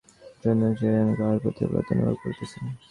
এই-যে আলোচনা করিতেছে ইহার জন্য সে যেন কাহার প্রতি অপরাধ অনুভব করিতেছে।